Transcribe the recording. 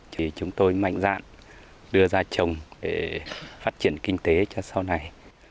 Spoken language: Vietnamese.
thì chúng tôi mạnh dạn đưa ra trồng để phát triển kinh tế cho sau này